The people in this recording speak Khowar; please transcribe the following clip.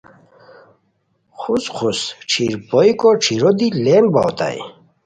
خسوخس ݯھیر بویوکو ݯھیرو دی لین باؤ اوتائے